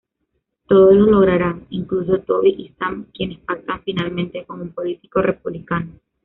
Todos lo lograrán, incluso Toby y Sam quienes pactan finalmente con un político republicano.